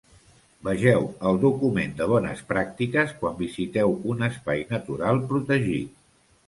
Vegeu el document de Bones pràctiques quan visiteu un espai natural protegit.